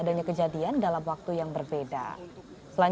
sana kita akan mencoba